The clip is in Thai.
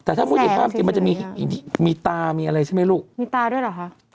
แต่ถ้าพูดในภาพจริงมันจะมีมีตามีอะไรใช่ไหมลูกมีตาด้วยเหรอคะ